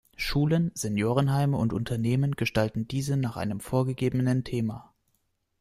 Schulen, Seniorenheime und Unternehmen gestalten diese nach einem vorgegebenen Thema.